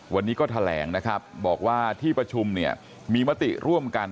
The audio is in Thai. วันนี้ก็แถลงนะครับบอกว่าที่ประชุมเนี่ยมีมติร่วมกัน